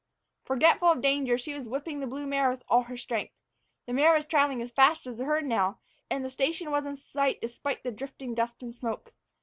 Forgetful of danger, she was whipping the blue mare with all her strength. The mare was traveling as fast as the herd now, and the station was in sight despite the drifting dust and smoke.